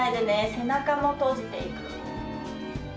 背中も閉じていく。